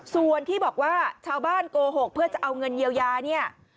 ส่วนที่บอกว่าชาวบ้านโกหกเพื่อจะเอาเงินเยียวยาเนี่ย